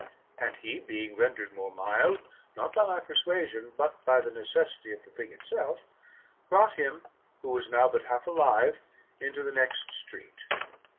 And he being rendered more mild, not by my persuasion, but by the necessity of the thing itself, brought him, who was now but half alive, into the next street.